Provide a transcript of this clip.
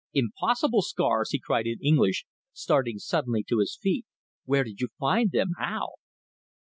"Impossible, Scars!" he cried in English, starting suddenly to his feet. "Where did you find them? How?"